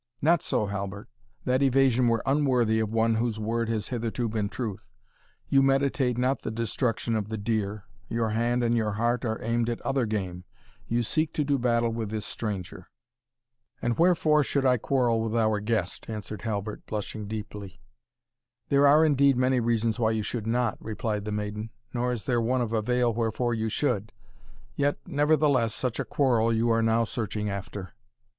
"Not so, Halbert that evasion were unworthy of one whose word has hitherto been truth. You meditate not the destruction of the deer your hand and your heart are aimed at other game you seek to do battle with this stranger." "And wherefore should I quarrel with our guest?" answered Halbert, blushing deeply. "There are, indeed, many reasons why you should not," replied the maiden, "nor is there one of avail wherefore you should yet nevertheless, such a quarrel you are now searching after."